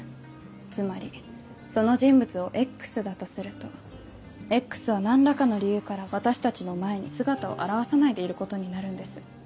つまりその人物をＸだとするとＸは何らかの理由から私たちの前に姿を現さないでいることになるんです。